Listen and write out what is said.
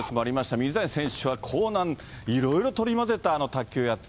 水谷選手は硬軟いろいろ取り混ぜた卓球をやった。